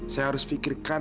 saya harus fikirkan